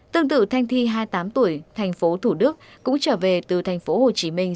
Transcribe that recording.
tương tự thanh thi hai mươi tám tuổi thành phố thủ đức cũng trở về từ thành phố hồ chí minh